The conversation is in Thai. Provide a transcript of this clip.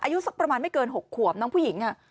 อายุสักประมาณไม่เกิน๖ขวบน้องผู้หญิง